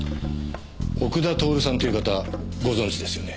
奥田徹さんっていう方ご存じですよね？